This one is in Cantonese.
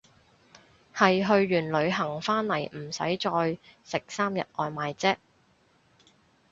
係去完旅行返嚟唔使再食三日外賣姐